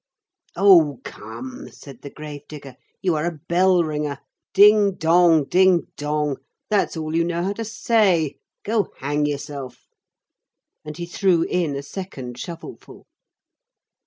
"Oh, come," said the grave digger, "you are a bell ringer. Ding dong, ding dong, that's all you know how to say. Go hang yourself." And he threw in a second shovelful.